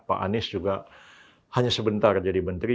pak anies juga hanya sebentar jadi menteri